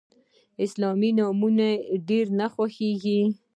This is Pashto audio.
آیا اسلامي نومونه ډیر نه خوښیږي؟